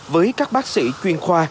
với các bác sĩ chuyên khoa